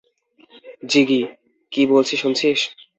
জিগি, কি বলছি শুনছিস?